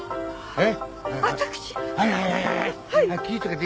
えっ？